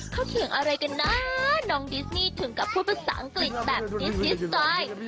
เขาเถียงอะไรกันนะน้องดิสนี่ถึงกับพูดภาษาอังกฤษแบบดิสดิสไตล์